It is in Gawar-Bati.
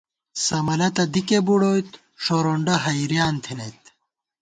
سمَلہ تہ دِکے بُڑوئیت ݭورونڈہ حېریان تھنَئیت